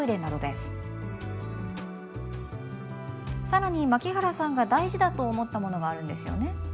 更に槙原さんが大事だと思ったものがあるんですよね？